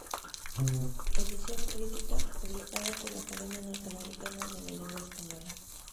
Edición crítica publicada por la Academia Norteamericana de la Lengua Española.